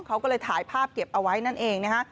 เขาก็เลยถ่ายภาพเก็บเอาไว้นั่นเองนะฮะ